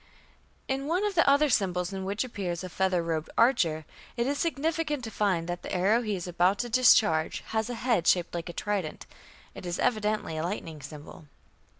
In one of the other symbols in which appears a feather robed archer, it is significant to find that the arrow he is about to discharge has a head shaped like a trident; it is evidently a lightning symbol.